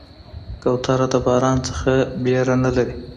کوتره د باران نه ویره نه لري.